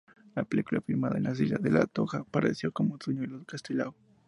En la película, filmada en la Isla de La Toja, apareció como señuelo Castelao.